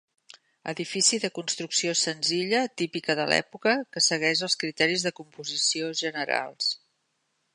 Edifici de construcció senzilla, típica de l'època, que segueix els criteris de composició generals.